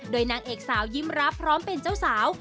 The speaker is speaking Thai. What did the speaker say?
โดยนางเอกสาวยิ้มรับพร้อมเป็นเจ้าสาว